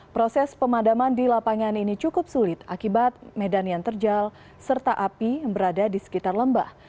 proses pemadaman di lapangan ini cukup sulit akibat medan yang terjal serta api yang berada di sekitar lembah